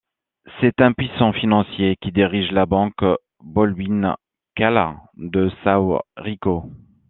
C'est un puissant financier qui dirige la banque Bohlwinkel de Sao Rico.